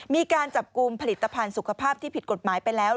มีการจับกลุ่มผลิตภัณฑ์สุขภาพที่ผิดกฎหมายไปแล้ว